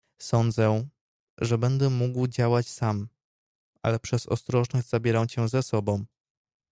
"Sądzę, że będę mógł działać sam, ale przez ostrożność zabieram cię ze sobą."